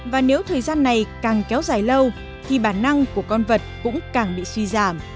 và nếu thời gian này càng kéo dài lâu thì bản năng của con vật cũng càng bị suy giảm